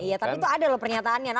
iya tapi itu ada loh pernyataannya